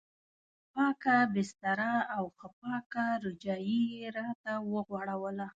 پاکه بستره او ښه پاکه رجایي یې راته وغوړوله.